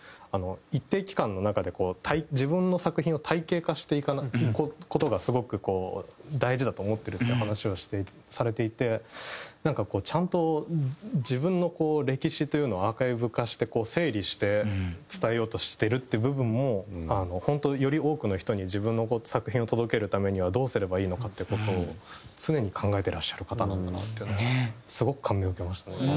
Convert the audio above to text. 一定期間の中で自分の作品を体系化していく事がすごく大事だと思ってるって話をされていてなんかちゃんと自分の歴史というのをアーカイブ化して整理して伝えようとしてるっていう部分も本当より多くの人に自分の作品を届けるためにはどうすればいいのかっていう事を常に考えてらっしゃる方なんだなっていうのはすごく感銘を受けましたね。